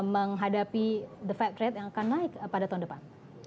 menghadapi defact rate yang akan naik pada tahun depan